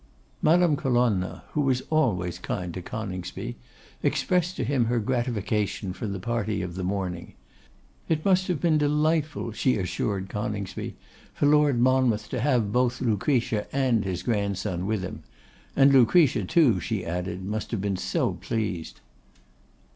Madame Colonna, who was always kind to Coningsby, expressed to him her gratification from the party of the morning. It must have been delightful, she assured Coningsby, for Lord Monmouth to have had both Lucretia and his grandson with him; and Lucretia too, she added, must have been so pleased.